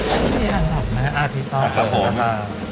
พี่หนุ๊ยหัวข้างหลังนะพี่ตอบก่อนนะคะ